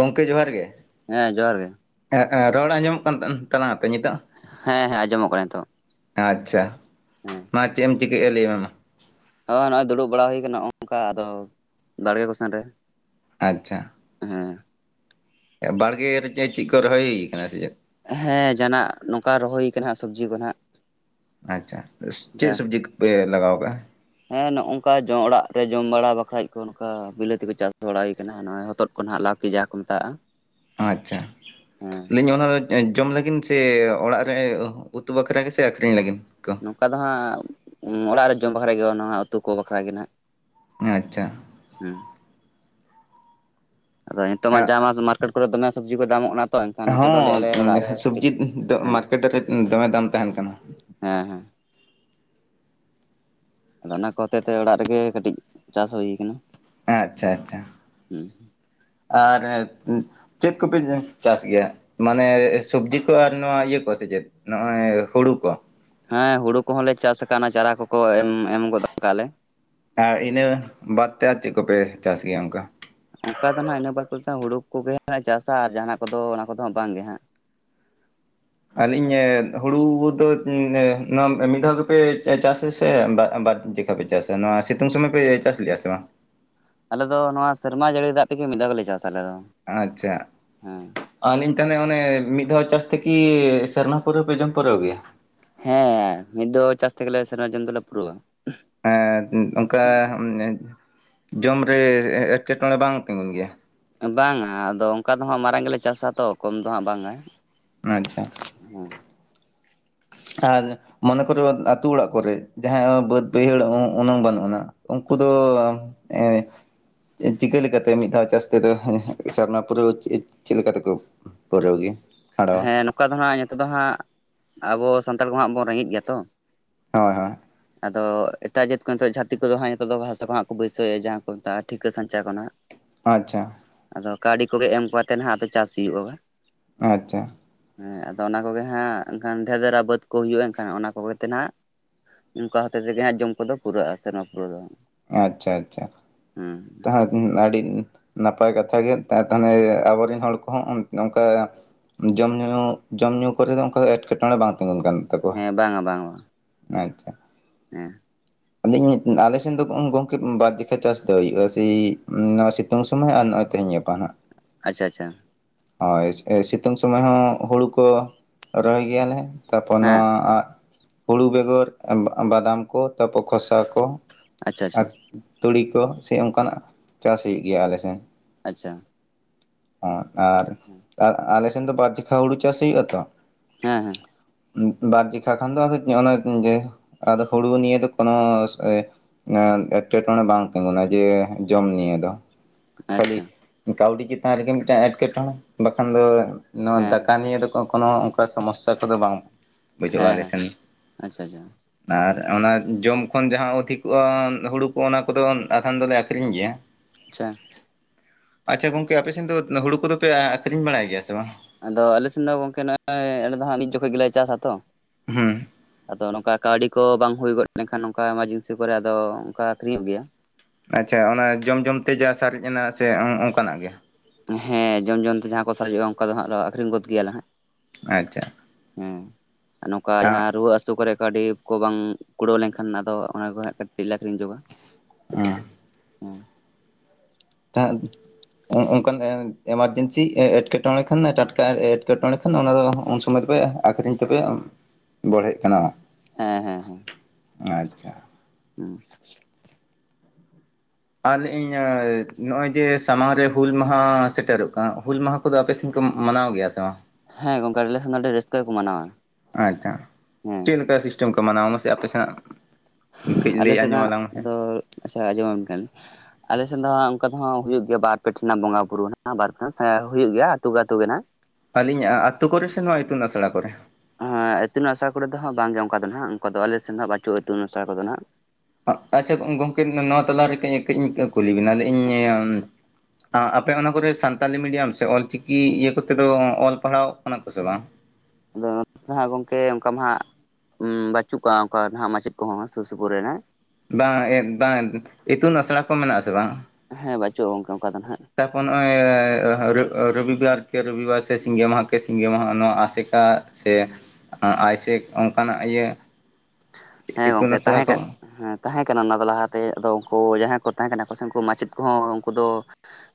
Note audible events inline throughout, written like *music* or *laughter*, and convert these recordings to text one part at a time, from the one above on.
ᱜᱚᱝᱠᱮ ᱡᱚᱦᱟᱨ ᱜᱮ ᱦᱮᱸ ᱡᱚᱦᱟᱨ ᱜᱮ ᱦᱮᱸ ᱮ ᱨᱚᱲ ᱟᱸᱡᱚᱢᱚᱜ ᱠᱟᱱ ᱛᱟᱠᱟᱝᱟᱛᱚ ᱱᱤᱛᱚᱜ ᱦᱮᱸ ᱦᱮᱸ ᱟᱸᱚᱢᱚᱜ ᱠᱟᱱᱟ ᱱᱤᱛᱚᱜ ᱟᱪᱪᱷᱟ ᱦᱩᱸ *unintelligible* ᱪᱮᱫ ᱮᱢ ᱪᱤᱠᱟᱹᱭᱮᱜᱼᱟ ᱞᱮᱭ ᱢᱮ ᱢᱟ ᱦᱳᱭ ᱱᱚᱜᱼᱚᱭ ᱫᱩᱲᱩᱵ ᱵᱟᱲᱟ ᱦᱳᱭ ᱠᱟᱱᱟ ᱱᱚᱜ ᱱᱚᱝᱠᱟ ᱟᱫᱚ ᱵᱟᱲᱜᱮ ᱠᱚᱥᱮᱱ ᱨᱮ ᱟᱪᱪᱷᱟ ᱦᱮᱸ ᱵᱟᱲᱜᱮ ᱨᱮ ᱪᱮᱫ ᱪᱮᱫ ᱠᱚ ᱨᱚᱦᱚᱭ ᱦᱩᱭ ᱠᱟᱱᱟ ᱥᱮ ᱪᱮᱫ ᱦᱮᱸ ᱡᱟᱦᱟᱱᱟᱜ ᱱᱚᱝᱠᱟ ᱨᱚᱦᱚᱭ ᱦᱩᱭᱩᱜ ᱠᱟᱱᱟ ᱥᱚᱵᱽᱡᱤ ᱠᱚ ᱱᱟᱜ ᱟᱪᱪᱷᱟ ᱪᱮᱫ ᱥᱚᱵᱽᱡᱤ ᱠᱚᱯᱮ ᱞᱟᱜᱟᱣ ᱠᱟᱜᱼᱟ ᱦᱮᱸ ᱱᱚᱜ ᱱᱚᱝᱠᱟ *unintelligible* ᱚᱲᱟᱜ ᱨᱮ ᱡᱚᱢ ᱵᱟᱲᱟ ᱵᱟᱠᱷᱟᱡ ᱠᱚ ᱱᱚᱝᱠᱟ ᱵᱤᱞᱟᱹᱛᱤ ᱠᱚ ᱪᱟᱥ ᱫᱚᱦᱟᱲ ᱦᱩᱭᱩᱜ ᱠᱟᱱᱟ ᱱᱚᱜᱼᱚᱭ ᱦᱚᱛᱚᱫ ᱠᱟ ᱱᱟᱜ ᱞᱟᱣᱠᱤ ᱡᱟᱦᱟ ᱠᱚ ᱢᱮᱛᱟᱜᱼᱟ ᱟᱪᱪᱷᱟ ᱦᱮᱸ ᱞᱟᱹᱭᱟᱹᱧ ᱚᱱᱟ *unintelligible* ᱡᱚᱢ ᱞᱟᱹᱜᱤᱫ ᱥᱮ ᱚᱲᱟᱜ ᱨᱮ ᱩᱛᱩ ᱵᱟᱠᱷᱟᱨᱟ ᱜᱮᱥᱮ ᱟᱠᱷᱨᱤᱧ ᱞᱟᱹᱜᱤᱫ ᱠᱚ ᱱᱚᱝᱠᱟ ᱫᱚ ᱦᱟᱸᱜ ᱚᱲᱟᱜ ᱨᱮ ᱡᱚᱢ ᱵᱟᱠᱷᱨᱟ ᱜᱮ ᱩᱛᱩ ᱠᱚ ᱵᱟᱠᱷᱨᱟ ᱜᱮ ᱱᱟᱜ ᱟᱪᱪᱷᱟ ᱦᱩᱸ ᱟᱫᱚ ᱱᱤᱛᱚᱜ ᱢᱟ ᱢᱟᱥᱮ ᱢᱟᱨᱠᱮᱴ ᱠᱚᱨᱮ ᱫᱚᱢᱮ ᱥᱚᱵᱽᱡᱤ ᱠᱚ ᱫᱟᱢᱚᱜ ᱠᱟᱱᱟ ᱛᱚ ᱮᱱᱠᱷᱟᱱ ᱪᱚᱞᱚ ᱞᱮᱫᱼᱟ ᱦᱚᱸ ᱞᱮ ᱚᱲᱟᱜ ᱨᱮ ᱠᱟᱹᱴᱤᱡ ᱥᱚᱵᱽᱡᱤ ᱫᱚ ᱦᱮᱸ ᱢᱟᱨᱠᱮᱴ ᱨᱮ ᱫᱚᱢᱮ ᱫᱟᱢ ᱛᱟᱦᱮᱱ ᱠᱟᱱᱟ ᱦᱮᱸ ᱦᱮᱸ ᱟᱫᱚ ᱚᱱᱟ ᱠᱚ ᱦᱟᱛᱮ ᱛᱮ ᱚᱲᱟᱜ ᱨᱮᱜᱮ ᱠᱟᱹᱴᱤᱡ ᱪᱟᱥ ᱦᱳᱭ ᱠᱟᱱᱟ ᱦᱮᱸᱟᱪᱪᱷᱟ ᱟᱪᱪᱷᱟ ᱦᱮᱸ ᱟᱨ ᱪᱮᱫ ᱠᱚᱯᱮ ᱪᱟᱥ ᱜᱮᱭᱟ ᱢᱟᱱᱮ ᱥᱚᱵᱽᱡᱤ ᱠᱚ ᱟᱨ ᱱᱚᱣᱟ ᱤᱭᱟᱹ ᱠᱚ ᱥᱮ ᱪᱮᱫ ᱱᱚᱜᱼᱚᱭ ᱦᱩᱲᱩ ᱠᱚ ᱦᱮᱸ ᱦᱳᱲᱳ ᱠᱚᱦᱚᱸ ᱞᱮ ᱪᱟᱥ ᱠᱟᱱᱟ ᱪᱟᱨᱟ ᱠᱚᱠᱚ ᱮᱢ ᱮᱢ ᱜᱚᱫ ᱠᱟᱜᱼᱟ ᱞᱮ ᱟᱨ ᱤᱱᱟᱹ ᱵᱟᱫ ᱛᱮ ᱟᱨ ᱪᱮᱫ ᱠᱚᱯᱮ ᱪᱟᱥ ᱜᱮᱭᱟ ᱚᱱᱠᱟ ᱚᱱᱠᱟ ᱫᱚ ᱱᱟᱜ ᱤᱱᱟᱹ ᱵᱟᱫᱽ ᱠᱚ ᱦᱩᱲᱩ ᱠᱚᱜᱮ ᱪᱟᱥᱟ ᱟᱨ ᱡᱟᱦᱟᱸᱱᱟᱜ ᱠᱚᱫᱚ ᱚᱱᱟ ᱠᱚᱫᱚ ᱵᱟᱝ ᱜᱮ ᱦᱟᱸᱜ ᱟᱹᱞᱤᱧ ᱦᱩᱲᱩ ᱫᱚ *unintelligible* ᱱᱚᱣᱟ ᱢᱤᱫ ᱫᱷᱟᱣ ᱜᱮᱯᱮ ᱪᱟᱥ ᱟᱥᱮ *unintelligible* *unintelligible* ᱪᱟᱥᱟ ᱱᱚᱣᱟ ᱥᱤᱛᱳᱝ ᱥᱚᱢᱚᱭ ᱯᱮ ᱪᱟᱥ ᱞᱮᱜᱼᱟ ᱥᱮ ᱵᱟᱝ ᱟᱞᱮ ᱫᱚ ᱱᱚᱣᱟ ᱥᱮᱨᱢᱟ ᱡᱟᱹᱲᱤ ᱫᱟᱜ ᱛᱮᱜᱮ ᱢᱤᱫ ᱫᱷᱟᱣ ᱜᱮᱞᱮ ᱪᱟᱥᱟ ᱟᱞᱮ ᱫᱚ ᱟᱪᱪᱷᱟ ᱦᱮᱸ ᱟᱹᱞᱤᱧ ᱛᱟᱦᱮᱱᱟ ᱚᱱᱮ ᱢᱤᱫ ᱫᱷᱟᱣ ᱪᱟᱥ ᱛᱮᱠᱤ ᱥᱮᱨᱱᱟ ᱯᱩᱨᱟᱹ ᱯᱮ ᱡᱚᱢ ᱯᱩᱨᱟᱹᱣ ᱜᱮᱭᱟ ᱦᱮᱸ ᱢᱤᱫ ᱫᱚ ᱪᱟᱥ ᱛᱮᱜᱮᱞᱮ ᱥᱮᱨᱢᱟ ᱡᱚᱱ ᱫᱚᱞᱮ ᱯᱩᱨᱟᱹᱣᱟ ᱚᱱᱠᱟ ᱡᱚᱢ ᱨᱮ ᱮᱴᱠᱮᱴᱚᱬᱮ ᱵᱟᱝ ᱛᱤᱸᱜᱩᱱ ᱜᱮᱭᱟ ᱵᱟᱝ-ᱟ ᱟᱫᱚ ᱚᱱᱠᱟ ᱫᱚ ᱦᱟᱸᱜ ᱢᱟᱨᱟᱝ ᱜᱮᱞᱮ ᱪᱟᱥᱟ ᱛᱚ ᱠᱚᱢ ᱫᱚ ᱦᱟᱸᱜ ᱵᱟᱝ-ᱟ ᱟᱪᱪᱷᱟ, ᱦᱮᱸ *unintelligible* ᱟᱨ ᱢᱚᱱᱮ ᱠᱚᱨᱚ ᱟᱛᱳ ᱚᱲᱟᱜ ᱠᱚᱨᱮ ᱡᱟᱦᱟᱸ ᱵᱟᱹᱫᱽ ᱵᱟᱹᱭᱦᱟᱹᱲ *unintelligible* ᱵᱟᱹᱱᱩᱜ ᱟᱱᱟ, ᱩᱱᱠᱩ ᱫᱚ ᱮ ᱪᱤᱠᱟᱹ ᱞᱮᱠᱟᱛᱮ ᱢᱤᱫᱽᱫᱷᱟᱣ ᱪᱟᱥ ᱛᱮᱫᱚ ᱥᱟᱨᱱᱟ ᱯᱩᱨᱟᱹᱣ ᱪᱮᱫ ᱞᱮᱠᱟ ᱛᱮᱠᱚ ᱯᱩᱨᱟᱣ ᱜᱮ᱾ ᱠᱷᱟᱸᱰᱟᱣᱟ ᱦᱮᱸ ᱱᱚᱝᱠᱟ ᱫᱚ ᱦᱟᱸᱜ ᱱᱤᱛᱚᱜ ᱫᱚ ᱦᱟᱸᱜ ᱟᱵᱚ ᱥᱟᱱᱛᱟᱲ ᱠᱚ ᱦᱟᱸᱜ ᱵᱚᱱ ᱨᱮᱸᱜᱮᱡ ᱜᱮᱭᱟ ᱛᱚ᱾ ᱦᱳᱭ ᱦᱳᱭ, ᱟᱫᱚ ᱮᱴᱟᱜ ᱡᱟᱹᱛ ᱠᱚ ᱱᱤᱛ ᱡᱟᱹᱛᱤ ᱠᱚᱫᱚ ᱦᱟᱸᱜ ᱱᱤᱛᱚᱜ ᱫᱚ ᱵᱷᱟᱥᱟ ᱠᱚ ᱦᱟᱸᱜ ᱠᱚ ᱵᱟᱹᱭᱥᱟᱹᱣᱭᱟ ᱡᱟᱦᱟᱸ ᱠᱚ ᱢᱮᱛᱟᱜᱼᱟ᱾ ᱴᱷᱤᱠᱟᱹ ᱥᱟᱧᱪᱟ ᱠᱷᱚᱱᱟᱜ ᱟᱪᱪᱷᱟ, ᱟᱫᱚ ᱠᱟᱹᱣᱰᱤ ᱠᱚᱜᱮ ᱮᱢ ᱠᱚᱛᱮ ᱱᱟᱦᱟᱜ ᱟᱫᱚ ᱪᱟᱥ ᱦᱩᱭᱩᱜᱼᱟ, ᱵᱟᱝ-ᱼ ᱟᱪᱪᱷᱟ, ᱦᱮᱸ ᱟᱫᱚ ᱚᱱᱟ ᱠᱚᱜᱮ ᱦᱟᱸᱜ ᱮᱱᱠᱷᱟᱱ ᱰᱷᱮᱮᱨ ᱫᱮᱨᱟ ᱵᱟᱹᱫᱽ ᱠᱚ ᱦᱩᱭᱩᱜᱼᱟ ᱮᱱᱠᱷᱟᱱ ᱚᱱᱟ ᱠᱚᱜᱮ ᱛᱮ ᱦᱟᱸᱜ ᱚᱱᱠᱟ ᱦᱚᱛᱮ ᱛᱮᱜᱮ ᱦᱟᱸᱜ ᱡᱚᱢ ᱠᱚᱫᱚ ᱯᱩᱨᱟᱹᱣ-ᱟ ᱥᱮᱨᱢᱟ ᱯᱩᱨᱟᱹᱣ ᱫᱚ᱾ ᱟᱪᱪᱷᱟ ᱟᱪᱪᱷᱟ, ᱦᱮᱸ ᱟᱹᱰᱤ ᱱᱟᱯᱟᱭ ᱠᱟᱛᱷᱟᱜᱮ ᱛᱟᱦᱚᱞᱮ ᱟᱵᱚᱨᱮᱱ ᱦᱚᱲ ᱠᱚᱦᱚᱸ ᱚᱱᱠᱟ ᱡᱚᱢᱼ ᱧᱩᱩ ᱠᱚᱨᱮ ᱫᱚ ᱚᱱᱠᱟ ᱫᱚ ᱮᱸᱴᱠᱮᱴᱚᱬᱮ ᱵᱟᱝ ᱛᱤᱜᱩᱱ ᱠᱟᱱᱟ᱾ ᱦᱮᱸ ᱵᱟᱝᱟ ᱵᱟᱝ ᱵᱟᱝ, ᱟᱪᱪᱷᱟ, ᱦᱮᱸ ᱟᱞᱮ ᱥᱮᱫ ᱫᱚ ᱜᱚᱝᱠᱮ ᱵᱟᱨ ᱴᱷᱤᱠᱟᱹ ᱪᱟᱥ ᱫᱚ ᱦᱩᱭᱩᱜᱼᱟ, ᱥᱮ ᱱᱚᱣᱟ ᱥᱤᱛᱩᱝ ᱥᱚᱢᱚᱭ ᱟᱨ ᱱᱚᱜᱚᱭ ᱛᱮᱦᱮᱧ ᱜᱟᱯᱟ ᱦᱟᱜ᱾ ᱟᱪᱪᱷᱟ ᱟᱪᱪᱷᱟ, ᱦᱳᱭ ᱥᱤᱛᱩᱝ ᱥᱚᱢᱚᱭ ᱦᱚᱸ ᱦᱩᱲᱩ ᱠᱚ ᱨᱚᱦᱚᱭ ᱜᱮᱭᱟ ᱞᱮ ᱛᱟᱨᱯᱚᱨ ᱦᱮᱸ ᱱᱚᱣᱟ ᱦᱩᱲᱩ ᱵᱮᱜᱚᱨ ᱵᱟᱫᱟᱢ ᱠᱚ ᱛᱟᱨᱯᱚᱨ ᱥᱚᱥᱟ ᱠᱚ ᱟᱪᱪᱷᱟ ᱟᱪᱪᱷᱟ ᱟᱨ ᱛᱩᱲᱤ ᱠᱚ ᱥᱮ ᱚᱱᱠᱟᱱᱟᱜ ᱪᱟᱥ ᱦᱩᱭᱩᱜ ᱜᱮᱭᱟ ᱟᱞᱮ ᱥᱮᱱ᱾ ᱟᱪᱪᱷᱟ, ᱟᱨ ᱟᱞᱮ ᱥᱮᱱ ᱫᱚ ᱵᱟᱨ ᱴᱷᱤᱠᱟᱹ ‌ᱦᱩᱲᱩ ᱪᱟᱥ ᱦᱩᱭᱩᱜ- ᱟ ᱛᱚ᱾ ᱦᱮᱸ ᱦᱮᱸ ᱵᱟᱨ ᱡᱷᱚᱠᱷᱟᱱ ᱫᱚ ᱟᱫᱚ ᱦᱩᱲᱩ ᱱᱤᱭᱮ ᱫᱚ ᱠᱳᱱᱳ ᱮᱸᱴᱠᱮᱴᱚᱬᱮ ᱵᱟᱝ ᱛᱤᱸᱜᱩᱱᱟ ᱡᱮ ᱡᱚᱢ ᱱᱤᱭᱮ ᱫᱚ᱾ ᱠᱷᱟᱹᱞᱤ ᱟᱪᱪᱷᱟ ᱠᱟᱹᱣᱰᱤ ᱪᱮᱛᱟᱱ ᱨᱮᱜᱮ ᱢᱤᱫᱴᱟᱱ ᱮᱸᱴᱠᱮᱴᱚᱬᱮ ᱵᱟᱠᱷᱟᱱ ᱫᱚ ᱱᱚᱣᱟ ᱦᱮᱸ ᱦᱮᱸ ᱫᱟᱠᱟ ᱱᱤᱭᱮᱹ ᱫᱚ ᱠᱳᱱᱳ ᱚᱱᱠᱟ ᱥᱚᱢᱚᱥᱥᱟ ᱠᱚᱫᱚ ᱵᱟᱝ ᱵᱩᱡᱩᱜᱼᱟ ᱟᱞᱮ ᱦᱮᱸ ᱥᱮᱱ, ᱟᱪᱪᱷᱟ ᱟᱪᱪᱷᱟ ᱟᱨ ᱚᱱᱟ ᱡᱚᱢ ᱠᱷᱚᱱ ᱡᱟᱦᱟᱸ ᱚᱫᱷᱤᱠᱚᱜᱼᱟ ᱦᱩᱲᱩ ᱠᱚ ᱚᱱᱟ ᱠᱚᱫᱚ ᱟᱫᱷᱟᱱ ᱫᱚᱞᱮ ᱟᱠᱷᱨᱤᱧ ᱜᱮᱭᱟ᱾ ᱟᱪᱪᱷᱟ, ᱟᱪᱪᱷᱟ ᱜᱚᱝᱠᱮ ᱟᱯᱮ ᱥᱮᱱ ᱫᱚ ᱦᱩᱲᱩ ᱠᱚᱫᱚᱯᱮ ᱟᱠᱠᱷᱨᱤᱧ ᱵᱟᱲᱟᱭ ᱜᱮᱭᱟ ᱥᱮ ᱵᱟᱝ? ᱟᱫᱚ ᱟᱞᱮ ᱥᱮᱱ ᱫᱚ ᱜᱚᱝᱠᱮ ᱱᱚᱜᱼᱚᱭ ᱟᱞᱮ ᱫᱚ ᱦᱟᱸᱜ ᱢᱤᱫ ᱡᱚᱠᱷᱚᱱ ᱜᱮᱞᱮ ᱪᱟᱥᱟ ᱛᱚ ᱦᱮᱸ ᱟᱫᱚ ᱱᱚᱝᱠᱟ ᱠᱟᱹᱣᱰᱤ ᱠᱚ ᱵᱟᱝ ᱦᱩᱭ ᱜᱚᱫ ᱞᱮᱱᱠᱷᱟᱱ ᱱᱚᱝᱠᱟ ᱮᱢᱟᱨᱡᱮᱱᱥᱤ ᱠᱚᱨᱮ ᱟᱫᱚ ᱚᱱᱠᱟ ᱟᱹᱠᱷᱨᱤᱧᱚᱜ ᱜᱮᱭᱟ᱾ ᱟᱪᱪᱷᱟ ᱚᱱᱟ ᱡᱚᱢ ᱡᱚᱢᱛᱮ ᱡᱟᱦᱟᱸ ‌ᱥᱟᱨᱮᱡ ᱮᱱᱟ ᱥᱮ ᱚᱱᱠᱟᱱᱟᱜ ᱜᱮ, ᱦᱮᱸ ᱡᱚᱢ ᱡᱚᱢ ᱛᱮ ᱡᱟᱦᱟᱸ ᱠᱚ ᱥᱟᱨᱡᱚᱜᱼᱟ ᱚᱱᱠᱟ ᱫᱚ ᱦᱟᱸᱟᱜᱚ ᱟᱠᱷᱨᱤᱧ ᱜᱚᱫ ᱜᱮᱭᱟᱮ ᱦᱟᱸᱜ ᱟᱪᱪᱷᱟ, ᱦᱮᱸ ᱟᱨ ᱱᱚᱝᱠᱟ ᱟᱸ ᱡᱟᱦᱟᱸ ᱨᱩᱣᱟᱹ ᱦᱟᱹᱥᱩ ᱠᱚᱨᱮ ᱠᱟᱹᱣᱰᱤ ᱠᱚ ᱵᱟᱝ ᱠᱩᱲᱟᱹᱣ ᱞᱮᱱᱠᱷᱟᱱ ᱟᱫᱚ ᱚᱱᱟ ᱠᱚ ᱦᱟᱸᱜ ᱠᱟᱹᱴᱤᱡ ᱞᱮ ᱟᱹᱠᱷᱨᱤᱧ ᱧᱚᱜ-ᱟ᱾ ᱦᱮᱸ ᱫᱟᱜ *unintelligible* ᱚ ᱚᱱᱠᱟᱱ ᱮᱢᱟᱨᱡᱮᱱᱥᱤ ᱮᱸᱴᱠᱮᱴᱚᱬᱮ ᱠᱷᱟᱱ ᱴᱟᱴᱠᱟ ᱮᱸᱴᱠᱮᱴᱚᱬᱮ ᱠᱷᱟᱱ ᱚᱱᱟ ᱫᱚ ᱩᱱ ᱥᱚᱢᱚᱭ ᱞᱮ ᱟᱠᱷᱨᱤᱧ ᱛᱮᱯᱮ ᱵᱚᱲᱦᱮᱜ ᱠᱟᱱᱟ᱾ ᱦᱮᱸ ᱦᱮᱸ ᱦᱮᱸ ᱟᱪᱪᱷᱟ ᱦᱩᱸ ᱟ ᱤᱧ ᱱᱚᱜᱼ ᱚᱭ ᱡᱮ ᱥᱟᱢᱟᱝ ᱨᱮ ᱦᱩᱞ ᱢᱟᱦᱟ ᱥᱮᱴᱮᱨᱚᱜ ᱠᱟᱱᱟ ᱦᱩᱞ ᱢᱟᱦᱟ *unintelligible* ᱫᱚ ᱟᱯᱮᱥᱮᱫ ᱠᱚ ᱢᱟᱱᱟᱣ ᱜᱮᱭᱟ ᱥᱮ ᱵᱟᱝ ᱦᱮᱸ ᱜᱚᱢᱠᱮ ᱟᱞᱮ ᱥᱟᱱ ᱟᱹᱰᱤ ᱨᱟᱹᱥᱠᱟᱹ ᱠᱚ ᱢᱟᱱᱟᱣᱟ ᱟᱪᱪᱷᱟ ᱦᱮᱸ ᱪᱮᱫ ᱞᱮᱠᱟ ᱥᱤᱥᱴᱮᱢ ᱠᱚ ᱢᱟᱱᱟᱣᱟ ᱢᱟᱥᱮ ᱟᱯᱮ ᱥᱮᱱᱟᱜ ᱠᱟᱹᱡ ᱟᱞᱮ ᱞᱟᱹᱭ ᱟᱸᱡᱚᱢ ᱥᱮᱱᱟᱜ ᱟᱞᱟᱝ ᱢᱮ ᱦᱮᱸ ᱟᱪᱪᱷᱟ ᱟᱸᱡᱚᱢ ᱟᱢ *unintelligible* ᱟᱞᱮᱥᱮᱫ ᱫᱚ ᱚᱱᱠᱟ ᱫᱚᱦ ᱦᱩᱭᱩᱜ ᱜᱮᱭᱟ ᱵᱟᱨ ᱯᱮᱴ ᱨᱮᱱᱟᱜ ᱵᱚᱸᱜᱟ ᱵᱩᱨᱩ *unintelligible* ᱦᱩᱭᱩᱜ ᱜᱮᱭᱟ ᱟᱹᱛᱩ ᱟᱹᱛᱩ ᱜᱮ ᱱᱟᱦᱟᱜ ᱟᱹᱞᱤᱧᱟᱜ ᱟᱹᱛᱩᱳ ᱠᱚᱨᱮ ᱥᱮ ᱱᱚᱣᱟ ᱤᱛᱩᱱ ᱟᱥᱲᱟ ᱠᱚᱨᱮ ᱦᱮᱸ ᱤᱛᱩᱱ ᱟᱥᱲᱟ ᱠᱚᱨᱮ ᱫᱚ ᱦᱟᱸᱜ ᱵᱟᱝᱜᱮ ᱚᱱᱠᱟ ᱫᱚᱱᱟᱜ ᱚᱱᱠᱟ ᱫᱚ ᱟᱞᱮ ᱥᱮᱱ ᱫᱚ ᱵᱟᱹᱪᱩᱜᱼᱟ ᱤᱛᱩᱱ ᱟᱥᱲᱟ ᱠᱚᱫᱚ ᱦᱜ ᱟᱪᱪᱷᱟ ᱜᱚᱝᱠᱮ ᱱᱚᱣᱟ ᱛᱟᱞᱟᱨᱮ ᱠᱟᱹᱡ ᱠᱟᱹᱡᱧ ᱠᱩᱞᱤ ᱵᱮᱱᱟ ᱞᱟᱹᱧᱤᱧ ᱟᱯᱮ ᱚᱱᱟ ᱠᱚᱨᱮ ᱥᱟᱱᱛᱟᱞᱤ ᱢᱤᱰᱤᱭᱟᱢ ᱥᱮ ᱚᱞ ᱪᱤᱠᱤ ᱤᱭᱟᱹ ᱠᱚᱛᱮ ᱫᱚ ᱚᱞ ᱯᱟᱲᱦᱟᱣ ᱠᱟᱱᱟ ᱠᱚ ᱥᱮ ᱵᱟᱝ ᱟᱫᱚ ᱱᱮ ᱫᱚ ᱦᱟᱸᱜ ᱜᱚᱢᱠᱮ ᱚᱱᱠᱟ ᱢᱟ ᱦᱟᱸᱜ ᱦᱩ ᱵᱟᱪᱩᱜ ᱠᱚᱭᱟ ᱚᱱᱠᱟ ᱫᱚ ᱱᱟᱦᱟᱜ ᱢᱟᱪᱮᱫ ᱠᱚᱦᱚᱸ ᱥᱩᱨ ᱥᱩᱯᱩᱨ ᱨᱮᱱᱟᱜ ᱵᱟᱝ ᱵᱟᱝ ᱤᱛᱩᱱ ᱟᱥᱲᱟ ᱠᱚ ᱢᱮᱱᱟᱜ ᱟᱥᱮ ᱵᱟᱝ ᱦᱮᱸ ᱵᱟᱪᱩᱜᱼᱟ ᱜᱚᱝᱠᱮ ᱚᱱᱠᱟ ᱫᱚ ᱱᱟᱦᱟᱜ ᱛᱟᱯᱚᱨ ᱱᱚᱜᱼᱚᱭ ᱨᱚᱵᱤᱵᱟᱨ ᱠᱮ ᱨᱚᱵᱤᱵᱟᱨ ᱥᱮ ᱥᱤᱸᱜᱮ ᱢᱟᱦᱟ ᱠᱮ ᱥᱤᱸᱜᱮ ᱢᱟᱦᱟ ᱱᱚᱣᱟ ᱟᱥᱮᱠᱟ ᱥᱮ ᱟᱭᱥᱮᱠ ᱚᱱᱠᱟᱱᱟᱜ ᱤᱭᱟᱹ ᱦᱮᱸ ᱤᱛᱩᱱ ᱜᱚᱝᱠᱮ ᱟᱥᱲᱟ ᱛᱟᱦᱮᱸᱠᱟᱜ ᱠᱚ ᱦᱮᱸ ᱛᱟᱦᱮᱸ ᱠᱟᱱᱟ ᱚᱱᱟ ᱠᱚ ᱞᱟᱦᱟᱛᱮ ᱟᱫᱚ ᱩᱱᱠᱩ ᱡᱟᱦᱟᱸᱭ ᱠᱚ ᱛᱟᱦᱮᱸ ᱠᱟᱱᱟ ᱠᱚ ᱥᱮ ᱩᱱᱠᱩ ᱢᱟᱪᱮᱫ ᱠᱚᱦᱚᱸ ᱩᱱᱠᱩ ᱫᱚ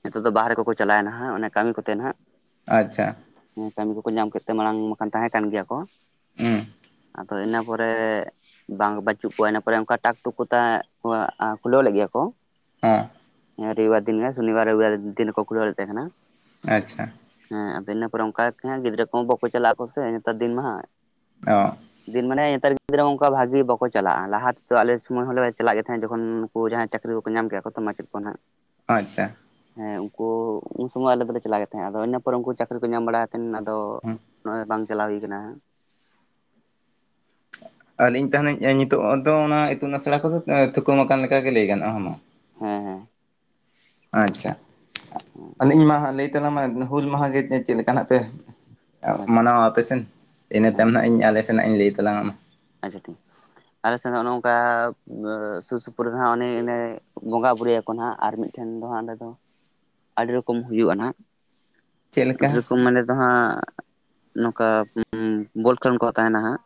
ᱱᱤᱛᱚᱜ ᱫᱚ ᱵᱟᱦᱨᱮ ᱠᱚᱠᱚ ᱪᱟᱞᱟᱣᱮᱱᱟ ᱦᱜ ᱠᱟᱹᱢᱤ ᱠᱚᱛᱮ ᱱᱟᱦᱟᱜ ᱟᱪᱪᱷᱟ ᱦᱮᱸ ᱠᱟᱹᱢᱤ ᱠᱚᱠᱚ ᱧᱟᱢ ᱠᱮᱫ ᱛᱮ ᱢᱟᱲᱟᱝ ᱢᱟᱠᱷᱟᱱ ᱛᱟᱦᱮᱸ ᱠᱟᱱ ᱜᱮᱭᱟ ᱠᱚ ᱦᱩᱸ ᱟᱫᱚ ᱤᱱᱟᱹ ᱯᱚᱨᱮ ᱵᱟᱝ ᱵᱟᱹᱪᱩᱜ ᱠᱚᱣᱟ ᱤᱱᱟᱹ ᱯᱚᱨᱮ ᱚᱱᱠᱟ ᱴᱟᱠ ᱴᱩᱠ ᱠᱚᱛᱟ ᱠᱷᱩᱞᱟᱹᱣ ᱞᱮᱫ ᱜᱮᱭᱟ ᱠᱚ ᱦᱮᱸ ᱦᱮᱸ ᱨᱚᱵᱤᱵᱟᱨ ᱫᱤᱱ ᱜᱮ ᱥᱚᱱᱤᱵᱟᱨ ᱨᱚᱵᱤᱵᱟᱨ ᱫᱤᱱ *unintelligible* ᱞᱮ ᱛᱟᱦᱮᱸ ᱠᱟᱱᱟ ᱟᱪᱪᱷᱟ ᱦᱮᱸ ᱟᱫᱚ ᱤᱱᱟᱹ ᱯᱚᱨᱮ ᱚᱱᱠᱟ ᱦᱜ ᱜᱤᱫᱽᱨᱟᱹ ᱠᱚ ᱵᱟᱠᱚ ᱪᱟᱞᱟᱜ ᱟᱠ ᱠᱚᱥᱮ ᱱᱮᱛᱟᱨ ᱫᱤᱱ ᱢᱟᱜ ᱚ ᱫᱤᱱ ᱢᱟᱱᱮ *unintelligible* ᱛᱟᱨ ᱜᱤᱫᱽᱨᱟᱹ ᱚᱝᱠᱟ ᱵᱷᱟᱜᱤ ᱵᱟᱠᱚᱟᱞᱟᱜ ᱞᱟᱦᱟ ᱛᱮᱫᱚ ᱟᱞᱮ ᱥᱚᱢᱳᱚᱭ ᱦᱚᱸᱞᱮ ᱪᱟᱞᱟᱜ ᱜᱮ ᱛᱟᱦᱮᱸᱫ ᱡᱚᱠᱷᱚᱱ ᱩᱱᱠᱩ ᱡᱟᱦᱟᱸᱭ ᱪᱟᱹᱠᱨᱤ ᱵᱟᱠᱚ ᱧᱟᱢ ᱠᱟ ᱠᱚ ᱛᱚ ᱢᱟᱪᱮᱫ ᱠᱚ ᱱᱟᱦᱟᱜ ᱟᱪᱪᱷᱟ ᱦᱮᱸ ᱩᱱᱠᱩ ᱩᱱ ᱥᱚᱢᱚᱭ ᱟᱞᱮ ᱫᱚᱮ ᱪᱟᱞᱟᱜ ᱜᱮ ᱛᱟᱦᱮᱸᱫ ᱟᱫᱚ ᱤᱱᱟᱹᱯᱚᱨ ᱩᱱᱠᱩ ᱪᱟᱹᱠᱨᱤ ᱠᱚ ᱧᱟᱢ ᱵᱟᱲᱟᱭᱼ ᱛᱱ ᱟᱫᱚ ᱦᱩᱸ ᱱᱚᱜᱼᱚᱭ ᱵᱟᱝ ᱪᱟᱞᱟᱣ ᱦᱩᱭ ᱟᱠᱟᱱᱟ ᱟᱹᱞᱤᱧ ᱛᱟᱦᱮᱱᱟᱹᱧ ᱱᱤᱛᱳᱜ ᱫᱚ ᱚᱱᱟ ᱤᱛᱩᱱ ᱟᱥᱲᱟ ᱠᱚᱫᱚ ᱛᱷᱩᱠᱩᱨ ᱢᱟ ᱟᱠᱟᱱ ᱞᱮᱠᱟᱟᱜᱮ ᱞᱟᱹᱭ ᱜᱟᱱᱚᱜᱼᱟ ᱦᱮᱸ ᱦᱮᱸ ᱟᱪᱪᱷᱟ ᱦᱮᱸ ᱟᱹᱞᱤᱧ ᱢᱟ ᱞᱟᱹᱭ ᱛᱟᱞᱟᱝᱢᱟ ᱦᱩᱞ ᱢᱟᱦᱟᱮ ᱪᱮᱫ ᱞᱮᱠᱟ ᱦᱱᱟᱜ ᱯᱮ ᱟᱪᱪᱷᱟ ᱢᱟᱱᱟᱣᱟ ᱟᱯᱮᱥᱮᱱ ᱤᱱᱟᱹ ᱛᱟᱭᱚᱢ ᱦᱟᱸᱜ ᱤᱧ ᱟᱞᱮ ᱥᱮᱱ ᱦᱟᱸᱜ ᱤᱧ ᱞᱟᱹᱭ ᱛᱟᱞᱟᱝ ᱟᱢᱟ ᱟᱪᱷᱟ ᱴᱷᱤᱠ ᱟᱞᱮᱥᱮᱫ ᱚᱱᱮ ᱱᱚᱝᱠᱟ ᱥᱩᱨ ᱥᱩᱯᱩᱨ ᱨᱮᱦᱟᱜ ᱚᱱᱮ ᱚᱱᱮ ᱵᱚᱸᱜᱟ ᱵᱳᱩᱨᱩᱭᱟᱠᱚ ᱦᱟᱜ ᱟᱨ ᱢᱤᱫᱴ ᱴᱷᱮᱱ ᱫᱚ ᱦᱜ ᱚᱸᱰᱮ ᱫᱚ ᱟᱹᱰᱤ ᱨᱚᱠᱚᱢ ᱦᱩᱭᱩᱜᱼᱟ, ᱪᱮᱫ ᱞᱮᱠᱟ ᱟᱹᱰᱤ ᱨᱚᱠᱚᱢ ᱢᱟᱱᱮ ᱡᱟᱦᱟᱸᱜ ᱱᱚᱝᱠᱟ ᱵᱚᱞ ᱠᱷᱮᱞᱳᱰ ᱠᱚ ᱛᱟᱦᱮᱱᱟ ᱦᱟᱸᱜ᱾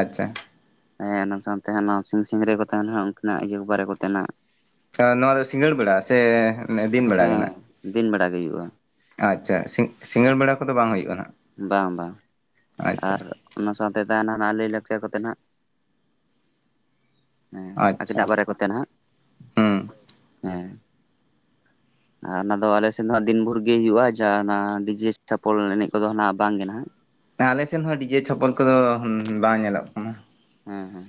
ᱟᱪᱪᱷᱟ ᱦᱮᱸ ᱚᱱᱟ ᱥᱟᱶᱛᱮ ᱱᱟᱣᱟ ᱥᱤᱝ ᱥᱤᱝ ᱨᱮ ᱠᱚ ᱛᱟᱦᱮᱱᱟ ᱩᱱᱠᱱᱟᱜ ᱤᱭᱟᱹ ᱵᱟᱨᱮ ᱠᱚᱛᱮᱱᱟᱜ, ᱱᱚᱣᱟ ᱫᱚ ᱥᱤᱸᱜᱟᱹᱲ ᱵᱮᱲᱟ ᱥᱮ? ᱫᱤᱱ ᱵᱮᱲᱟ ᱦᱮᱸ ᱜᱮ ᱱᱟᱜ? ᱫᱤᱱ ᱵᱮᱲᱟ ᱜᱮ ᱦᱩᱭᱩᱜᱼᱟ᱾ ᱟᱪᱪᱷᱟ ᱥᱤᱸᱜᱟᱹᱲ ᱵᱮᱲᱟ ᱠᱚᱫᱚ ᱵᱟᱝ ᱦᱩᱭᱩᱜᱼᱟ ᱦᱟᱸᱜ? *unintelligible* ᱟᱨ ᱚᱱᱟ ᱥᱟᱶᱛᱮ ᱛᱟᱦᱮᱱᱟ ᱞᱟᱹᱭᱼᱞᱟᱠᱪᱟᱨ ᱠᱚᱛᱮ ᱱᱟᱜ᱾ ᱦᱮᱸ ᱟᱪᱪᱷᱟ ᱟᱵᱤᱱᱟᱜ ᱵᱟᱨᱮ ᱠᱚᱛᱮ ᱱᱟᱦᱟᱜ ᱦᱩᱸ ᱦᱮᱸ, ᱟᱨ ᱚᱱᱟ ᱫᱚ ᱟᱞᱮ ᱥᱮᱱ ᱫᱚ ᱫᱤᱱ ᱵᱷᱳᱨ ᱜᱮ ᱦᱩᱭᱩᱜᱼᱟ ᱦᱩᱲᱩ ᱚᱱᱟ ᱰᱤᱡᱮ ᱪᱷᱟᱯᱚᱞ ᱮᱱᱮᱡ ᱠᱚᱫᱚ ᱦᱟᱱᱟᱜ ᱵᱟᱝ ᱜᱮ ᱱᱟᱜ, ᱟᱞᱮ ᱥᱮᱱ ᱦᱚᱸ ᱰᱤᱡᱮ ᱪᱷᱟᱯᱚᱞ ᱠᱚᱫᱚ ᱵᱟᱝ ᱧᱮᱞᱚᱜ ᱠᱟᱱᱟ᱾ ᱦᱮᱸ ᱦᱮᱸ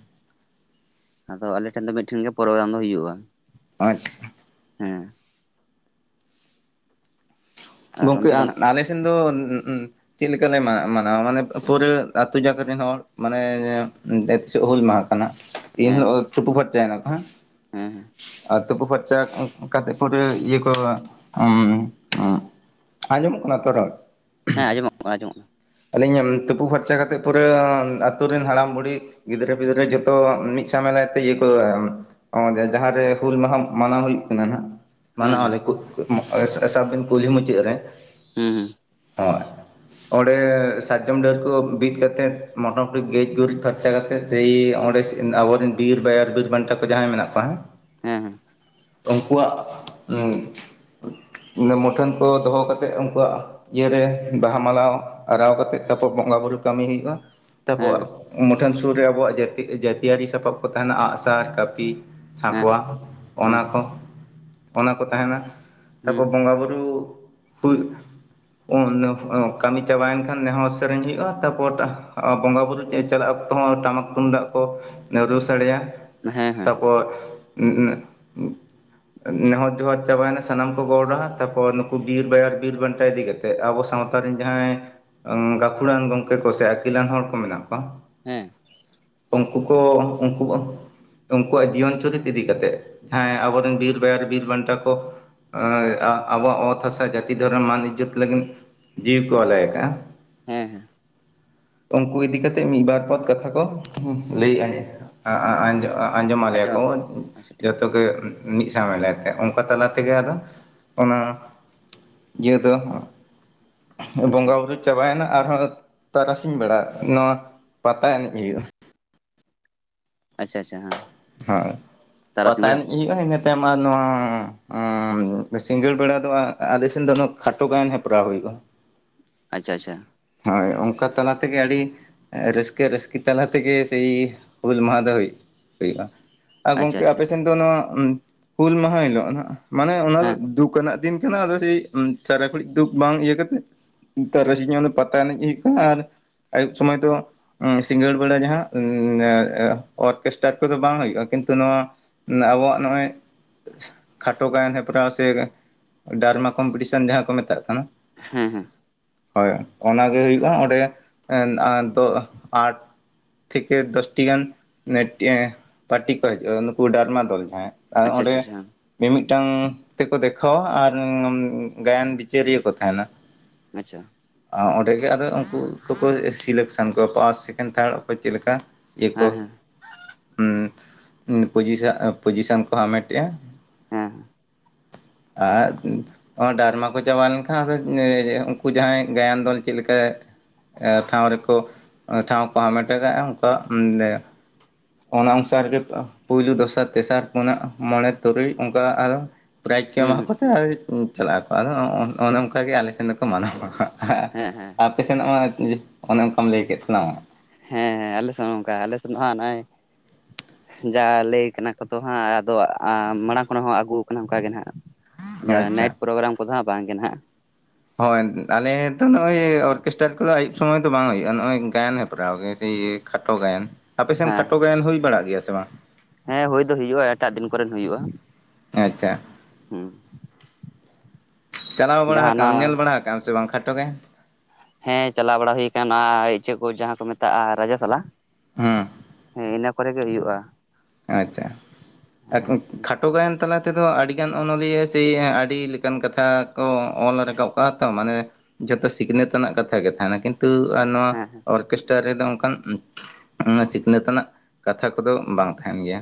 ᱟᱫᱚ ᱟᱞᱮ ᱴᱷᱮᱱ ᱫᱚ ᱢᱤᱫᱴᱷᱮᱱ ᱜᱮ ᱯᱨᱳᱜᱨᱟᱢ ᱫᱚ ᱦᱩᱭᱩᱜᱼᱟ᱾ ᱟᱪᱪᱷᱟ ᱦᱩᱸ ᱟᱨ ᱜᱚᱢᱠᱮ ᱚᱱᱛᱮ ᱫᱚ ᱱᱟᱦᱟᱜ ᱟᱞᱮ ᱥᱮᱱ ᱫᱚ ᱪᱮᱫ ᱞᱮᱠᱟᱞᱮ ᱢᱟᱱᱟᱣᱟ ᱢᱟᱱᱮ ᱯᱩᱨᱟᱹ ᱟᱹᱛᱩ ᱡᱟᱠᱟ ᱨᱮᱱ ᱦᱚᱲ ᱢᱟᱱᱮ ᱦᱩᱞ ᱢᱟᱦᱟ ᱠᱟᱱᱟ᱾ ᱛᱤᱦᱤᱧ ᱦᱮᱸ ᱦᱮᱸ ᱛᱩᱯᱩ ᱯᱷᱟᱨᱪᱟᱭᱱᱟ, ᱠᱚ ᱦᱮᱸ ᱦᱮᱸ ᱟᱨ ᱛᱩᱯᱩ ᱯᱷᱟᱨᱪᱟ ᱠᱟᱛᱮ ᱯᱩᱨᱟᱹ ᱤᱭᱟᱹ ᱠᱚ ᱩᱸᱻ ᱟᱡᱚᱢᱚᱜ ᱠᱟᱱᱟ ᱛᱚ ᱨᱚᱲ᱾ ᱦᱮᱸ ᱟᱡᱢᱚᱜᱼᱟ ᱠᱟᱱ ᱟᱡᱸᱚᱢᱚᱜᱼᱟ ᱠᱟᱱᱟ᱾ ᱟᱹᱞᱤᱧ ᱛᱩᱯᱩ ᱯᱷᱟᱨᱪᱟ ᱠᱟᱛᱮᱫ ᱯᱩᱨᱟᱹ ᱟᱛᱩᱨ ᱨᱮᱱ ᱦᱟᱲᱟᱢ ᱵᱩᱲᱦᱤ, ᱜᱤᱫᱽᱨᱟᱹ ᱯᱤᱫᱽᱨᱟᱹ ᱡᱷᱚᱛᱚ ᱢᱤᱫ ᱥᱟᱶ ᱢᱮᱞᱟᱭ ᱛᱮ ᱤᱭᱟᱹ ᱠᱚ, ᱱᱚᱰᱮ ᱡᱟᱦᱟᱸᱨᱮ ᱦᱩᱞ ᱢᱟᱦᱟ ᱢᱟᱱᱟᱣ ᱦᱩᱭᱩᱜ ᱠᱟᱱᱟ ᱦᱟᱸᱜ᱾ ᱠᱟᱱᱟ ᱦᱮᱸ ᱢᱟᱱᱟᱣ ᱦᱮᱸ ᱟᱞᱮ ᱠᱚ ᱥᱟᱵᱤᱱ ᱠᱩᱞᱦᱤ ᱢᱩᱪᱟᱹᱫ ᱨᱮ᱾ ᱦᱮᱸ ᱦᱮᱸ ᱦᱚᱭ, ᱚᱸᱰᱮ ᱥᱟᱨᱡᱚᱢ ᱰᱟᱹᱨ ᱠᱚ ᱵᱤᱫ ᱠᱟᱛᱮᱫ ᱢᱚᱴᱟᱢᱩᱴᱤ ᱜᱮᱡ ᱜᱩᱨᱤᱡ ᱯᱷᱟᱨᱪᱟ ᱠᱟᱛᱮᱫ ᱥᱮᱭ ᱚᱸᱰᱮ ᱟᱵᱚᱨᱮᱱ ᱵᱤᱨ ᱵᱟᱭᱟᱨ ᱵᱤᱨ ᱵᱟᱱᱴᱟ ᱠᱚ ᱡᱟᱦᱟᱸᱭ ᱢᱮᱱᱟᱜ ᱠᱚᱣᱟ ᱦᱮ, ᱦᱩᱸ ᱦᱩᱸ ᱩᱱᱠᱩᱣᱟᱜ ᱢᱩᱴᱷᱟᱹᱱ ᱠᱚ ᱫᱚᱦᱚ ᱠᱟᱛᱮᱫ ᱩᱱᱠᱩᱣᱟᱜ ᱤᱭᱟᱹᱨᱮ ᱵᱟᱦᱟ ᱢᱟᱞᱟᱣ ᱟᱨᱟᱣ ᱠᱟᱛᱮᱫ ᱛᱟᱨᱯᱚᱨ ᱵᱚᱸᱜᱟ ᱵᱩᱨᱩ ᱠᱟᱹᱢᱤ ᱦᱩᱭᱩᱜᱼᱟ᱾ ᱦᱮᱸ ᱦᱮᱸ ᱛᱟᱠᱚᱣᱟᱜ ᱦᱮᱸ ᱢᱩᱴᱷᱟᱹᱱ ᱥᱩᱨ ᱨᱮ ᱟᱵᱚᱣᱟᱜ ᱡᱟᱹᱛᱤᱭᱟᱹᱨᱤ ᱥᱟᱯᱟᱵ ᱠᱚ ᱛᱟᱦᱮᱱᱟ ᱟᱸᱜᱼᱥᱟᱨ, ᱠᱟᱹᱯᱤ, ᱦᱮᱸ ᱥᱟᱸᱠᱚᱣᱟ ᱦᱮᱸ ᱚᱱᱟ ᱦᱮᱸ ᱦᱮᱸ ᱦᱮᱸ ᱠᱚ ᱚᱱᱟ ᱠᱚ ᱛᱟᱦᱮᱱᱟ ᱛᱟᱯᱚᱨ ᱵᱚᱸᱜᱟ ᱵᱩᱨᱩ ᱦᱩᱭ ᱠᱟᱹᱢᱤ ᱪᱟᱵᱟᱭᱮᱱ ᱠᱷᱟᱱ ᱱᱮᱦᱚᱸᱨ ᱥᱮᱨᱮᱧ ᱦᱩᱭᱩᱜᱼᱟ, ᱛᱟᱯᱚᱨ ᱵᱚᱸᱜᱟ ᱵᱩᱨᱩ ᱪᱟᱞᱟᱜ ᱚᱠᱛᱚ ᱦᱚᱸ ᱴᱟᱢᱟᱠ ᱛᱩᱢᱫᱟᱜ ᱠᱚ ᱨᱩ ᱥᱟᱰᱮᱭᱟ, ᱛᱟᱨᱯᱚᱨ ᱱᱮᱦᱚᱨ ᱡᱚᱦᱟᱨ ᱪᱟᱵᱟᱭᱮᱱᱟ ᱥᱟᱱᱟᱢ ᱠᱚ ᱜᱚᱰᱼᱟ ᱛᱟᱯᱚᱨ ᱵᱤᱨ ᱵᱟᱭᱟᱨ ᱵᱤᱨᱵᱟᱱᱴᱟ ᱤᱫᱤ ᱠᱟᱛᱮᱫ ᱟᱵᱚ ᱥᱟᱶᱛᱟ ᱨᱮᱱ ᱡᱟᱦᱟᱸᱭ, ᱜᱟᱹᱠᱷᱩᱲᱟᱱ ᱜᱚᱢᱠᱮ ᱠᱚ ᱥᱮ ᱟᱹᱠᱤᱞᱟᱱ ᱦᱚᱲ ᱠᱚ ᱢᱮᱱᱟᱜ ᱠᱚᱣᱟ, ᱦᱮᱸ ᱩᱱᱠᱩ ᱠᱚ ᱩᱱᱠᱩ ᱩᱱᱠᱩᱣᱟᱜ ᱡᱤᱭᱚᱱ ᱪᱩᱨᱤᱛ ᱤᱫᱤ ᱠᱟᱛᱮᱜ ᱡᱟᱦᱟᱸᱭ ᱟᱵᱚᱨᱮᱱ ᱵᱤᱨᱵᱟᱭᱟᱨ ᱵᱤᱨ ᱵᱟᱱᱴᱟ ᱠᱚ, ᱟᱹᱭ ᱟᱵᱚᱣᱟᱜ ᱚᱛ, ᱦᱟᱥᱟ ᱡᱟᱹᱛᱤ ᱫᱷᱚᱨᱚᱢ ᱢᱟᱹᱱ ᱤᱡᱡᱟᱹᱛ ᱞᱟᱹᱜᱤᱫ ᱡᱤᱣᱤ ᱠᱚ ᱟᱞᱟᱭ ᱠᱟᱜᱼᱟ᱾ ᱦᱮᱸ ᱦᱮᱸ *inaudible* ᱩᱱᱠᱩ ᱤᱫᱤ ᱠᱟᱛᱮ ᱢᱤᱫ ᱵᱟᱨ ᱯᱚᱫ ᱠᱟᱛᱷᱟ ᱠᱚ ᱞᱟᱹᱭ ᱮᱜᱼᱟ ᱟᱸᱡᱚᱜᱼᱟ, ᱟᱸᱡᱚᱢ ᱟᱞᱮᱭᱟ ᱠᱚ ᱠᱮᱫ ᱟᱪᱪᱷᱟ ᱴᱷᱤᱠ ᱡᱚᱛᱚ ᱜᱮ, ᱢᱤᱫ ᱥᱟᱶ ᱢᱮᱞᱟᱭ ᱛᱮ ᱚᱱᱠᱟ ᱛᱟᱞᱟᱛᱮᱜᱮ ᱟᱫᱚ ᱚᱱᱟ ᱤᱭᱟᱹ ᱫᱚ ᱟᱪᱪᱷᱟ ᱵᱚᱸᱜᱟ ᱵᱩᱨᱩ ᱪᱟᱵᱟᱭᱮᱱᱟ, ᱟᱨᱦᱚᱸ ᱛᱟᱨᱟᱥᱤᱧ ᱵᱮᱲᱟ ᱱᱚᱣᱟ ᱯᱟᱛᱟ ᱮᱱᱮᱡ ᱦᱩᱭᱩᱜᱼᱟ ᱾ ᱟᱪᱪᱷᱟ ᱟᱪᱪᱷᱟ ᱦᱩᱸ ᱾ ᱦᱩᱸ ᱯᱟᱛᱟ ᱮᱱᱮᱡ ᱦᱩᱭᱩᱜᱼᱟ ᱤᱱᱟᱹ ᱛᱟᱭᱚᱢ ᱟᱨ ᱱᱚᱣᱟ ᱥᱤᱸᱜᱟᱹᱲ ᱵᱮᱲᱟ ᱫᱚ ᱟᱞᱮ ᱥᱮᱱ ᱫᱚ ᱠᱷᱟᱴᱚ ᱜᱟᱭᱟᱱ ᱦᱮᱯᱨᱟᱣ ᱦᱩᱭᱩᱜᱼᱟ ᱾ ᱟᱪᱪᱷᱟ ᱟᱪᱪᱷᱟ ᱾ ᱦᱳᱭ ᱚᱱᱠᱟ ᱛᱟᱞᱟ ᱛᱮᱜᱮ ᱟᱹᱰᱤ ᱨᱟᱹᱥᱠᱟᱹ ᱨᱟᱹᱥᱠᱤ ᱛᱟᱞᱟ ᱛᱮᱜᱮ ᱥᱮᱭ ᱦᱩᱞ ᱢᱟᱦᱟ ᱫᱚ ᱦᱩᱭ ᱦᱩᱭᱩᱜᱼᱟ, ᱟᱨ ᱟᱪᱪᱷᱟ ᱜᱚᱝᱠᱮ ᱟᱪᱪᱷᱟ ᱟᱯᱮ ᱥᱮᱱ ᱫᱚ ᱱᱚᱣᱟ ᱦᱩᱞ ᱢᱟᱦᱟ ᱦᱤᱞᱳᱜ ᱦᱟᱸᱜ ᱢᱟᱱᱮ ᱚᱱᱟ ᱫᱚ ᱦᱮᱸ ᱫᱩᱠ ᱟᱱᱟᱜ ᱫᱤᱱ ᱠᱟᱱᱟ ᱟᱫᱚ ᱥᱮᱭ ᱪᱟᱨᱟ ᱜᱷᱟᱹᱲᱤᱡ ᱫᱩᱠ ᱵᱟᱝ ᱤᱭᱟᱹ ᱠᱟᱛᱮᱫ ᱛᱟᱨᱟᱥᱤᱧᱤᱭᱟᱹ ᱯᱟᱛᱟ ᱮᱱᱮᱡ ᱦᱩᱭᱩᱜ ᱠᱟᱱᱟ ᱟᱨ ᱟᱹᱭᱩᱵ ᱥᱚᱢᱚᱭ ᱫᱚ ᱥᱤᱸᱜᱟᱹᱲ ᱵᱮᱲᱟ ᱡᱟᱦᱟᱸ ᱚᱨᱠᱮᱥᱴ ᱪᱟᱛ ᱠᱚᱫᱚ ᱵᱟᱝ ᱦᱩᱭᱩ-ᱼᱟ ᱠᱤᱱᱛᱩ ᱱᱚᱣᱟ ᱟᱵᱚᱣᱟᱜ ᱱᱚᱜ-ᱚᱸᱭ ᱠᱷᱟᱴᱚ ᱜᱟᱭᱟᱱ ᱦᱮᱯᱨᱟᱣ ᱥᱮ ᱰᱟᱨᱢᱟ ᱠᱚᱢᱯᱤᱴᱤᱥᱟᱱ ᱡᱟᱦᱟᱸ ᱠᱚ ᱢᱮᱛᱟᱜ ᱠᱟᱱᱟ᱾ ᱦᱮᱸ ᱦᱮᱸ ᱦᱳᱭ, ᱚᱱᱟ ᱜᱮ ᱦᱩᱭᱩᱜᱼᱟ ᱚᱸᱰᱮ ᱮᱱ ᱟᱸ ᱫᱳ ᱟᱸᱴ ᱛᱷᱤᱠᱮ ᱫᱚᱥ ᱴᱤᱡ ᱜᱟᱱ ᱱᱮᱴ ᱴᱮᱸ ᱯᱟᱹᱴᱤ ᱠᱚ ᱦᱤᱡᱩᱜᱼᱟ, ᱱᱩᱠᱩ ᱰᱟᱨᱢᱟ ᱫᱚᱞ ᱡᱟᱦᱟᱸᱭ ᱟ ᱟᱪᱪᱷᱟ ᱚᱸᱰᱮ ᱟᱪᱪᱷᱟ ᱟᱪᱪᱷᱟ ᱢᱤ-ᱢᱤᱫᱴᱟᱝ ᱛᱮᱠᱚ ᱫᱮᱠᱷᱟᱣᱟ ᱟᱨ ᱜᱟᱭᱟᱱ ᱵᱤᱪᱟᱹᱨᱤᱭᱟᱹ ᱠᱚ ᱛᱟᱦᱮᱱᱟ ᱟᱪᱪᱷᱟ᱾ ᱟᱸ ᱚᱸᱰᱮ ᱜᱮ ᱟᱫᱚ ᱩᱱᱠᱩ ᱠᱚᱠᱚ ᱥᱤᱞᱮᱠᱥᱟᱱ ᱠᱚᱣᱟ ᱯᱟᱥ, ᱥᱮᱠᱮᱱᱰ, ᱛᱷᱟᱰ ᱚᱠᱚᱭ ᱪᱮᱫ ᱞᱮᱠᱟ? ᱤᱭᱟᱹᱠᱚ ᱦᱮᱸ ᱦᱮᱸ ᱦᱮᱸ ᱩᱸ ᱩᱸ ᱯᱚᱡᱤᱥᱟ ᱯᱚᱡᱤᱥᱟᱱ ᱠᱚᱦᱚᱸ ᱦᱟᱢᱮᱴᱮᱫᱼᱟ᱾ ᱦᱮᱸ᱾ ᱟᱜ *unintelligible* ᱚ ᱰᱟᱨᱢᱟ ᱠᱚ ᱪᱟᱵᱟ ᱞᱮᱱᱠᱷᱟᱱ ᱩᱱᱠᱩ ᱡᱟᱦᱟᱸᱭ ᱜᱟᱭᱟᱱ ᱫᱚᱞ ᱪᱮᱫ ᱞᱮᱠᱟ ᱴᱷᱟᱶ ᱨᱮᱠᱚ ᱴᱷᱟᱶ ᱠᱚ ᱦᱟᱢᱮᱴᱚ ᱠᱟᱫ-ᱟ ᱚᱝᱠᱟ ᱫᱮ ᱚᱱᱟ ᱚᱱᱩᱥᱟᱨ ᱨᱮᱜᱮ ᱯᱩᱭᱞᱩ, ᱫᱚᱥᱟᱨ, ᱛᱮᱥᱟᱨ, ᱯᱩᱱᱟᱜ, ᱢᱚᱬᱮ ᱛᱩᱨᱩᱭ ᱚᱱᱠᱟ ᱟᱫᱚ ᱯᱨᱟᱭᱤᱡᱽ ᱠᱚ ᱦᱩᱸ ᱮᱢᱟ ᱦᱩᱸ ᱠᱚᱛᱮ ᱟᱫᱚ ᱪᱟᱞᱟᱜ ᱟᱠᱚ ᱟᱫᱚ ᱚᱱᱮ ᱚᱝᱠᱟ ᱜᱮ ᱟᱞᱮ ᱥᱮᱱ ᱫᱚᱠᱚ ᱢᱟᱱᱟᱣᱟ᱾ ᱦᱟᱸᱜ ᱦᱮᱸ ᱦᱮᱸ ᱦᱮᱸ ᱟᱯᱮ ᱥᱮᱱᱟᱜ ᱢᱟ ᱡᱮ ᱚᱱᱮ ᱚᱱᱠᱟᱢ ᱞᱟᱹᱭ ᱠᱮᱫ ᱛᱟᱞᱟᱝᱟ, ᱦᱮᱸ ᱦᱮᱸ ᱟᱞᱮ ᱥᱮᱫ ᱦᱚᱸ ᱚᱝᱠᱟ ᱟᱞᱮ ᱥᱮᱫ ᱫᱚ ᱦᱟᱸᱜ ᱱᱚᱜᱼᱚᱸᱭ ᱡᱟ ᱞᱟᱹᱭ ᱠᱟᱱᱟ ᱠᱚ ᱛᱚ ᱦᱟᱸᱜ ᱟᱫᱚ ᱢᱟᱲᱟᱝ ᱠᱷᱚᱱ ᱦᱚᱸ ᱟᱹᱜᱩᱣ ᱠᱟᱱᱟ ᱚᱱᱠᱟᱜ ᱜᱮ ᱱᱟᱦᱟᱜ ᱡᱟᱸᱦᱟ ᱟᱪᱪᱷᱟ ᱱᱟᱭᱤᱴ ᱯᱨᱳᱜᱽᱨᱟᱢ ᱠᱚᱫᱚ ᱦᱟᱸᱜ ᱵᱟᱝᱜᱮ ᱦᱟᱸᱜ᱾ ᱦᱳᱭ ᱟᱞᱮ ᱫᱚ ᱱᱚᱜᱼᱚᱸᱭ ᱚᱨᱠᱮᱥ ᱴᱟ ᱠᱚᱫᱚ ᱟᱹᱭᱩᱵ ᱥᱚᱢᱚᱭ ᱫᱚ ᱵᱟᱝ ᱦᱩᱭᱩᱜᱼᱟ, ᱱᱚᱜᱼᱚᱸᱭ ᱜᱟᱭᱟᱱ ᱦᱮᱯᱨᱟᱣ ᱜᱮ ᱥᱤ ᱤᱭᱟᱹ ᱠᱷᱟᱴᱚ ᱜᱟᱭᱟᱱ ᱟᱯᱮ ᱥᱮᱱ ᱠᱷᱟᱴᱚ ᱦᱮᱸ ᱜᱟᱭᱟᱱ ᱦᱩᱭ ᱵᱟᱲᱟᱜ ᱜᱮᱭᱟ ᱥᱮ ᱵᱟᱝ? ᱦᱮᱸ ᱦᱩᱭ ᱫᱚ ᱦᱩᱭᱩᱜᱼᱟ, ᱮᱴᱟᱜ ᱫᱤᱱ ᱠᱚᱨᱮᱱ ᱦᱩᱭᱩᱜᱼᱟ᱾ ᱟᱪᱪᱷᱟ ᱦᱩᱸ᱾ ᱪᱟᱞᱟᱣ ᱵᱟᱲᱟ ᱡᱟᱦᱟᱸ ᱠᱟᱫ-ᱟᱢ ᱧᱮᱞ ᱚᱱᱟ ᱵᱟᱲᱟ ᱠᱟᱫ-ᱟᱢ ᱥᱮ ᱵᱟᱝ ᱠᱷᱟᱴᱚ ᱜᱟᱭᱟᱱ? ᱦᱮᱸ ᱪᱟᱞᱟᱣ ᱵᱟᱲᱟ ᱦᱩᱭ ᱠᱟᱱᱟ ᱤᱪᱟᱹᱜ ᱠᱚ ᱡᱟᱦᱟᱸ ᱠᱚ ᱢᱮᱛᱟᱜ-ᱟ ᱨᱟᱡᱽᱥᱟᱞᱟ᱾ ᱦᱮᱸ ᱦᱮᱸ ᱤᱱᱟᱹ ᱠᱚᱨᱮ ᱜᱮ ᱦᱩᱭᱩᱜᱼᱟ᱾ ᱟᱪᱪᱷᱟ᱾ ᱦᱮᱸ ᱠᱷᱟᱴᱚ ᱜᱟᱭᱟᱱ ᱛᱟᱞᱟ ᱛᱮᱫᱚ ᱟᱹᱰᱤᱜᱟᱱ ᱚᱱᱚᱞᱤᱭᱟᱹ ᱥᱮ ᱟᱹᱰᱤ ᱞᱮᱠᱟᱱ ᱠᱟᱛᱷᱟ ᱠᱚ ᱚᱞ ᱨᱟᱠᱟᱵ ᱠᱟᱜᱼᱟ ᱛᱚ ᱢᱟᱱᱮ ᱡᱚᱛᱚ ᱥᱤᱠᱷᱱᱟᱹᱛ ᱨᱮᱱᱟᱜ ᱠᱟᱛᱷᱟ ᱜᱮ ᱛᱟᱸᱦᱮᱱᱟ ᱠᱤᱱ ᱛᱩ ᱟᱨ ᱱᱚᱣᱟ ᱦᱮᱸ ᱚᱨ ᱠᱮᱥᱴᱟᱨ ᱨᱮᱫᱚ ᱚᱱᱠᱟᱱ ᱥᱤᱠᱷᱱᱟᱹᱛ ᱟᱱᱟᱜ ᱠᱟᱛᱷᱟ ᱠᱚᱫᱚ ᱵᱟᱝ ᱛᱟᱦᱮᱱ ᱜᱮᱭᱟ᱾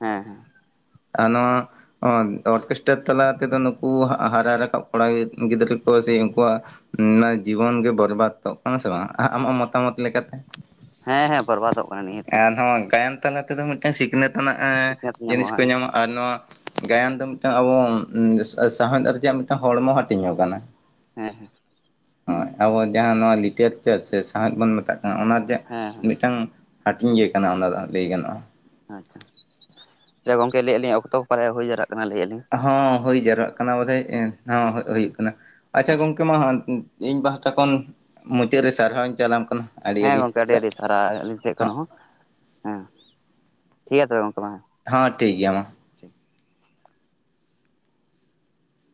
ᱦᱮᱸ ᱦᱮᱸ᱾ ᱟᱨ ᱱᱚᱣᱟᱼᱼ ᱚᱫᱽ ᱚᱨᱜᱮᱥᱴᱟᱨ ᱛᱟᱞᱟ ᱛᱮᱫᱚ ᱱᱩᱠᱩ ᱦᱟᱜ ᱦᱟᱨᱟ ᱨᱟᱠᱟᱵ ᱠᱚᱲᱟ ᱜᱤᱫᱽ ᱜᱤᱫᱽᱨᱟᱹ ᱠᱚ ᱥᱮ ᱩᱱᱠᱩᱣᱟᱜᱼᱼ ᱩᱸᱻ ᱱᱟᱜ ᱡᱤᱵᱚᱱ ᱜᱮ ᱵᱚᱨᱵᱟᱛᱚᱜ ᱠᱟᱱᱟ ᱥᱮ ᱵᱟᱝᱟ ᱟ ᱟᱢᱟᱜ ᱢᱚᱛᱟᱢᱚᱛ ᱞᱮᱠᱟ ᱛᱮ? ᱦᱮᱸ ᱦᱮᱸ ᱵᱚᱨᱵᱟᱫᱚᱜ ᱠᱟᱱᱟ ᱱᱤᱦᱟᱹᱛᱤ ᱮᱱ ᱦᱚᱸ ᱜᱟᱭᱟᱱ ᱛᱟᱞᱟ ᱛᱮᱫᱚ ᱢᱤᱫᱴᱟᱝ ᱥᱤᱠᱷᱱᱟᱹᱛᱼᱼ ᱨᱮᱱᱟᱜ ᱮᱸ ᱥᱤᱠᱷᱱᱟᱹᱛ ᱡᱤᱱᱤᱥ ᱧᱟᱢᱚᱜᱼᱟ ᱠᱚ ᱦᱮᱸ ᱧᱟᱢᱚᱜ ᱟᱨ ᱱᱚᱣᱟᱼᱼ ᱜᱟᱭᱟᱱ ᱫᱚ ᱢᱤᱫᱴᱟᱝ ᱟᱵᱚᱣᱟᱜ *inaudible* ᱢᱤᱫᱴᱟᱝ ᱦᱚᱲᱢᱚ ᱦᱟᱴᱤᱧ ᱦᱚᱸ ᱠᱟᱱᱟ᱾ ᱦᱮᱸ ᱦᱮᱸ᱾ ᱦᱚᱸᱭ ᱟᱵᱚ ᱡᱟᱦᱟᱸ ᱱᱚᱣᱟ ᱞᱤᱴᱟᱨᱮᱪᱟᱨ ᱥᱮ ᱥᱟᱶᱦᱮᱫ ᱵᱚᱱ ᱢᱮᱛᱟᱜ ᱠᱟᱱᱟ ᱚᱱᱟ ᱡᱮᱼᱼ ᱦᱮᱸ ᱟᱪᱪᱷᱟ ᱢᱤᱫᱴᱟᱝ ᱦᱟᱴᱤᱧ ᱜᱮ ᱠᱟᱱᱟ ᱚᱱᱟ ᱫᱚ ᱦᱟᱸᱜ ᱞᱟᱹᱭ ᱜᱟᱱᱚᱜ-ᱟ᱾ ᱟᱪᱪᱷᱟ ᱪᱮ ᱜᱚᱝᱠᱮ ᱞᱟᱹᱭᱮᱜ-ᱟ ᱞᱤᱧ ᱚᱠᱛᱚ ᱯᱨᱟᱭ ᱦᱩᱭ ᱡᱟᱨᱟᱜ ᱠᱟᱱᱟ ‌ᱞᱟᱹᱭ ᱟᱞᱤᱧ᱾ ᱦᱚᱸ ᱦᱩᱭ ᱡᱟᱨᱣᱟᱜ ᱠᱟᱱᱟ ᱵᱚᱫᱷᱮᱭᱮᱜᱼᱟᱹ ᱦᱚᱸ ᱦᱮᱸ ᱦᱚᱜ ᱦᱩᱭᱩᱜ ᱠᱟᱱᱟ ᱟᱪᱪᱷᱟ ᱜᱚᱝᱠᱮ ᱢᱟ ᱤᱧ ᱯᱟᱦᱴᱟ ᱠᱷᱚᱱ ᱢᱩᱪᱟᱹᱫ ᱨᱮ ᱥᱟᱨᱦᱟᱣᱤᱧ ᱪᱟᱞᱟᱢ ᱠᱟᱱᱟ ᱾ ᱦᱮᱸ ᱜᱚᱝᱠᱮ ᱟᱹᱰᱤ ᱟᱹᱰᱤ ᱥᱟᱨᱦᱟᱣ ᱟᱹᱞᱤᱧ ᱥᱮᱫ ᱠᱷᱚᱱ ᱦᱚᱸ ᱦᱮᱸ ᱴᱷᱤᱠ ᱜᱮᱭᱟ ᱛᱚᱵᱮ ᱜᱚᱝᱠᱮ ᱢᱟ ᱦᱮᱸ ᱾ ᱦᱚᱸ ᱴᱷᱤᱠ ᱜᱮᱭᱟ ᱢᱟ ᱾